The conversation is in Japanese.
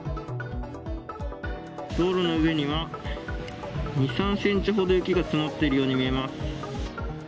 道路の上には２、３センチほど雪が積もっているように見えます。